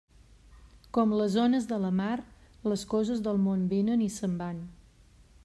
Com les ones de la mar, les coses del món vénen i se'n van.